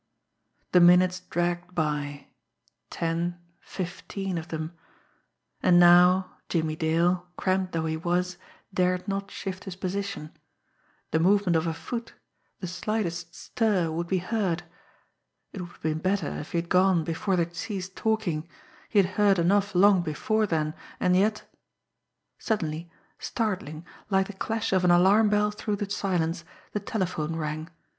The minutes dragged by, ten, fifteen of them. And now Jimmie Dale, cramped though he was, dared not shift his position; the movement of a foot, the slightest stir would be heard. It would have been better if he had gone before they had ceased talking. He had heard enough long before then, and yet Suddenly, startling, like the clash of an alarm bell through the silence, the telephone rang.